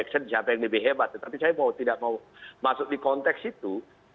saya tidak mau masuk di konteks itu